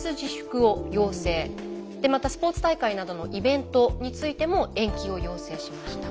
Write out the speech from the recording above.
またスポーツ大会などのイベントについても延期を要請しました。